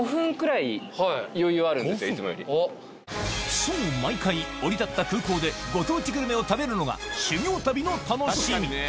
そう毎回降り立った空港でご当地グルメを食べるのが修業旅の楽しみ